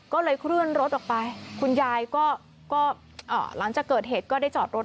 ก็เลยเคลื่อนรถออกไปคุณยายก็หลังจากเกิดเหตุก็ได้จอดรถ